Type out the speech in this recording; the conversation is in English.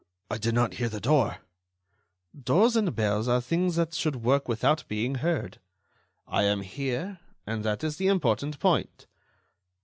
I did not hear the door—" "Doors and bells are things that should work without being heard. I am here, and that is the important point."